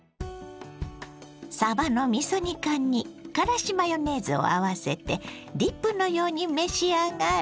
さばのみそ煮缶にからしマヨネーズを合わせてディップのように召し上がれ。